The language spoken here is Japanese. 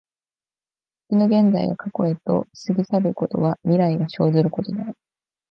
時の現在が過去へと過ぎ去ることは、未来が生ずることである。